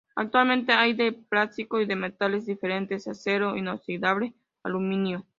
Actualmente hay de plástico y de metales diferentes: acero inoxidable, aluminio.